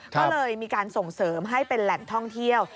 ก็เลยมีการส่งเสริมให้เป็นแหล่งท่องเที่ยว